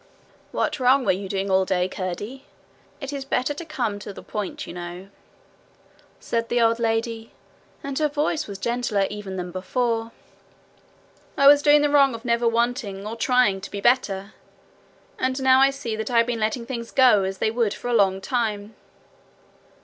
'What wrong were you doing all day, Curdie? It is better to come to the point, you know,' said the old lady, and her voice was gentler even than before. 'I was doing the wrong of never wanting or trying to be better. And now I see that I have been letting things go as they would for a long time.